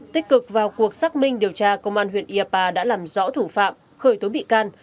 tích cực vào cuộc xác minh điều tra công an huyện iapa đã làm rõ thủ phạm khởi tố bị can